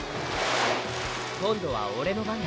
今度はオレの番だ。